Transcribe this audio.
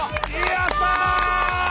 やった！